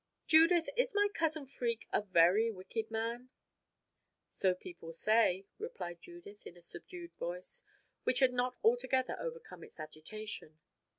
Judith, is my cousin Freke a very wicked man?" "So people say," replied Judith in a subdued voice, which had not altogether overcome its agitation.